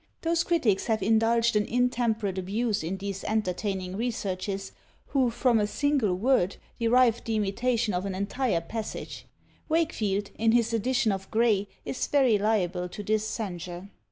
Those critics have indulged an intemperate abuse in these entertaining researches, who from a single word derive the imitation of an entire passage. Wakefield, in his edition of Gray, is very liable to this censure.